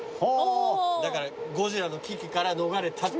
だからゴジラの危機から逃れたっていう。